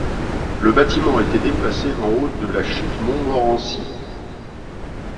Le bâtiment a été déplacé en haut de la chute Montmorency.